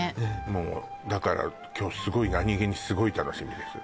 もうだから今日すごい何げにすごい楽しみです